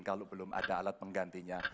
kalau belum ada alat penggantinya